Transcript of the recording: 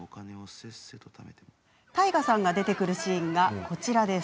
太賀さんが出てくるシーンがこちら。